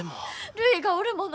るいがおるもの。